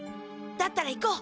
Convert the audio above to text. だったら行こう。